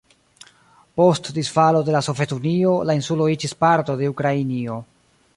Post disfalo de la Sovetunio, la insulo iĝis parto de Ukrainio.